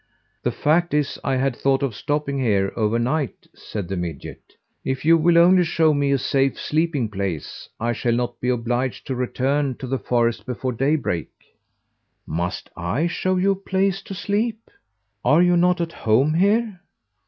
"The fact is, I had thought of stopping here over night," said the midget. "If you will only show me a safe sleeping place, I shall not be obliged to return to the forest before daybreak." "Must I show you a place to sleep? Are you not at home here?"